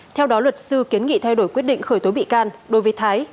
theo đó luật sư kiến nghị thay đổi quyết định khởi tố bị can đối với thái